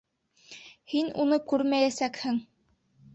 Һин уны күрмәйәсәкһең!